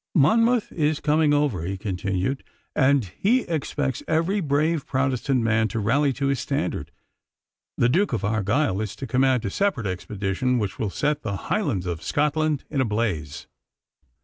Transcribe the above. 'Monmouth is coming over,' he continued, 'and he expects every brave Protestant man to rally to his standard. The Duke of Argyle is to command a separate expedition, which will set the Highlands of Scotland in a blaze.